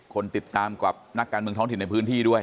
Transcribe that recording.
คนติดตามกับนักการเมืองท้องถิ่นในพื้นที่ด้วย